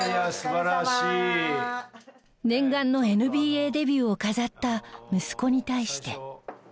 念願のＮＢＡデビューを飾った息子に対して。